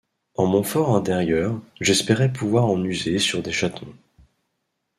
En mon for intérieur, j’espérais pouvoir en user sur des chatons.